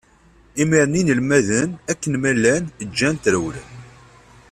Imiren inelmaden, akken ma llan, ǧǧan-t, rewlen.